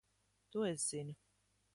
To es zinu.